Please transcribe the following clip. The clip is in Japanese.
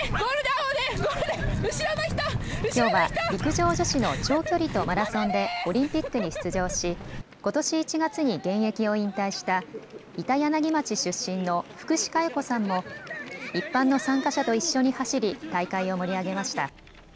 きょうは陸上女子の長距離とマラソンでオリンピックに出場しことし１月に現役を引退した板柳町出身の福士加代子さんも一般の参加者と一緒に走り、大会を盛り上げました。